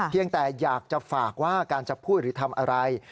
ยังแต่อยากจะฝากว่าการจะพูดหรือทำอะไร